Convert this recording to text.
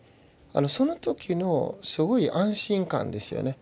その時のすごい安心感ですよね。